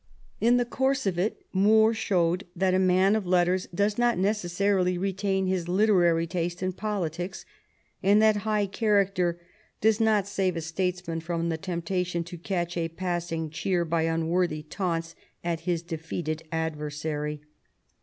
In the course of it More showed that a man of letters does not necessarily retain his literary taste in politics, and that high character does not save a statesman from the temptation to catch a passing cheer by unworthy taunts at his de feated adversary.